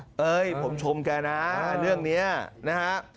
เอ้ยผมชมแกนะเรื่องนี้นะฮะ